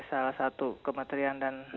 salah satu kementerian dan